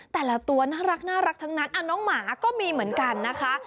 แต่ละตัวน่ารักทั้งนั้นน้องหมาก็มีเหมือนกันนะคะ